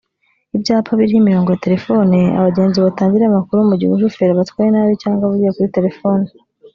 ibyapa biriho imirongo ya telefone abagenzi batangiraho amakuru mu gihe umushoferi abatwaye nabi cyangwa avugiye kuri telefone